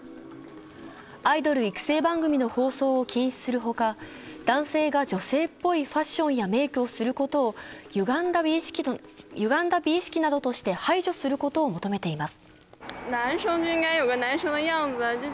アイドル育成番組の放送を禁止するほか、男性が女性っぽいファッションやメイクをすることをゆがんだ美意識などとして排除することを求めています。